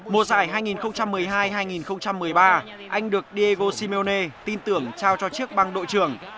mùa giải hai nghìn một mươi hai hai nghìn một mươi ba anh được diegoshimune tin tưởng trao cho chiếc băng đội trưởng